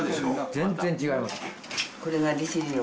全然違います。